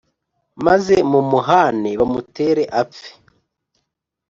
maze mumuhāne, bamutere apfe.